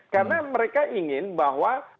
karena mereka ingin bahwa